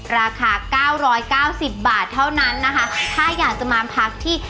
ราคาเก้าร้อยเก้าสิบบาทเท่านั้นนะคะถ้าอยากจะมาพักที่